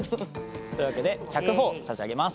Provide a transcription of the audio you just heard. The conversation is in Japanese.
というわけで１００ほぉ差し上げます。